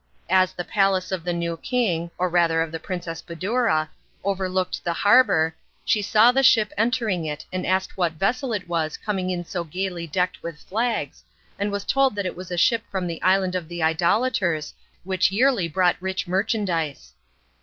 As the palace of the new king, or rather of the Princess Badoura, overlooked the harbour, she saw the ship entering it and asked what vessel it was coming in so gaily decked with flags, and was told that it was a ship from the Island of the Idolaters which yearly brought rich merchandise.